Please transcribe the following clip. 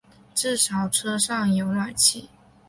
至少车上有暖气